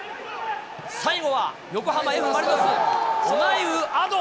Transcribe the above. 最後は横浜Ｆ・マリノス、オナイウ・アド。